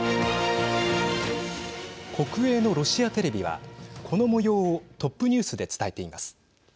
国営のロシアテレビはこのもようをトップニュースで伝えています。